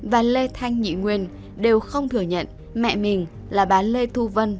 và lê thanh nhị nguyên đều không thừa nhận mẹ mình là bà lê thu vân